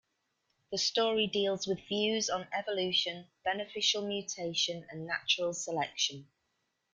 The story deals with views on evolution, beneficial mutation, and natural selection.